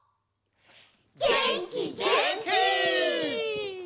げんきげんき！